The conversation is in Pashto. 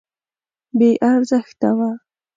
بې ارزښته وه.